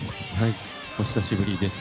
お久しぶりです。